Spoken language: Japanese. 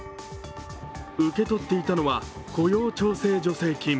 受け取っていたのは雇用調整助成金。